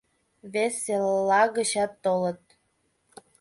Вес элла гычат толыт.